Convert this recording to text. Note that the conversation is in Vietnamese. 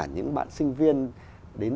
những bạn sinh viên